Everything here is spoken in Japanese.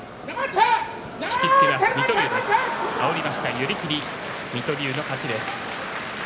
寄り切り水戸龍の勝ちです。